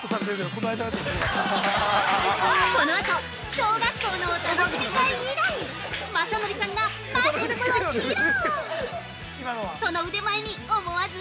◆このあと、小学校のお楽しみ会以来、まさのりさんがマジックを披露。